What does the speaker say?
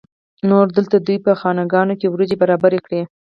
نور دلته دوی په خانکونو کې وریجې برابرې کړې.